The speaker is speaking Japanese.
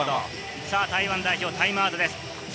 台湾代表、タイムアウトです。